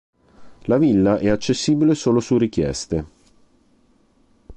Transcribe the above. La villa è accessibile solo su richieste.